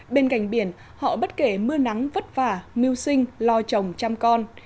bên cạnh biển họ bất kể mưa nắng vất vả miêu sinh lo chồng chăm con